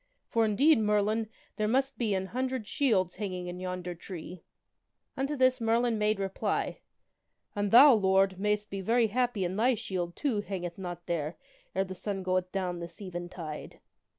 For, indeed, Merlin, there must be an hundred shields hanging in yonder tree !" Unto this Merlin made reply, " And thou, Lord, mayst be very happy an thy shield, too, hangeth not there ere the sun goeth down this even tide."